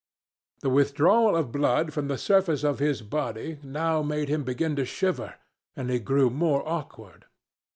The withdrawal of blood from the surface of his body now made him begin to shiver, and he grew more awkward.